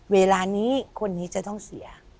เวลานี้คนนี้จะต้องเสีย